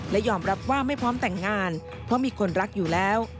และยอมรับว่าไม่พร้อมแต่งงานเพราะมีคนรักอยู่แล้ว